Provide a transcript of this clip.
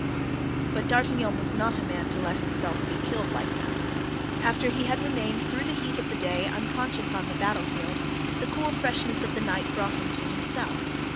But D'Artagnan was not a man to let himself be killed like that. After he had remained through the heat of the day unconscious on the battle field, the cool freshness of the night brought him to himself.